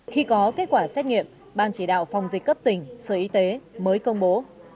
khi có kết quả xét nghiệm ban chỉ đạo phòng dịch cấp tỉnh sở y tế mới công bố